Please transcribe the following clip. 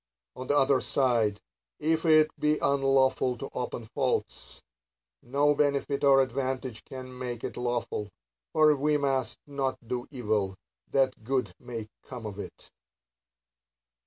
On the other side, if it be unlawful to open faults, no benefit or advantage can make it lawful ; for we must not do evil, that good may come o it.